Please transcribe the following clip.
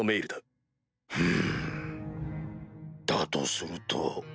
ふむだとすると。